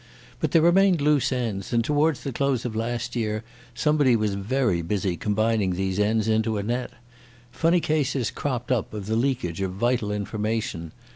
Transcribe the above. But there remained loose ends, and towards the close of last year somebody was very busy combining these ends into a net. Funny cases cropped up of the leakage of vital information.